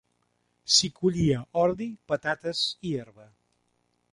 S'hi collia ordi, patates i herba.